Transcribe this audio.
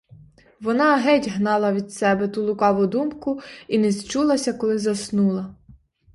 Вона геть гнала від себе ту лукаву думку і незчулася, коли заснула.